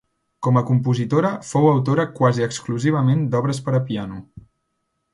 Com a compositora fou autora quasi exclusivament d'obres per a piano.